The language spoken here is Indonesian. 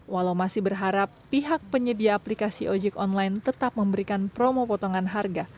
walau masih berharap pihak penyedia aplikasi ojek online tetap memberikan promo potongan harga